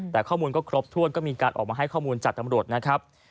แต่ข้อมูลก็ครบถ้วนก็มีการออกมาให้ข้อมูลจากตำรวจนะครับ